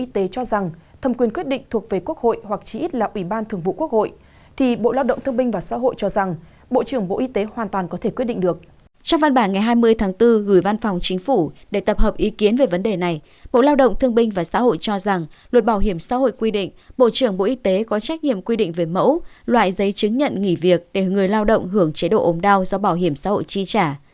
trong văn bản ngày hai mươi tháng bốn gửi văn phòng chính phủ để tập hợp ý kiến về vấn đề này bộ lao động thương binh và xã hội cho rằng luật bảo hiểm xã hội quy định bộ trưởng bộ y tế có trách nhiệm quy định về mẫu loại giấy chứng nhận nghỉ việc để người lao động hưởng chế độ ốm đau do bảo hiểm xã hội chi trả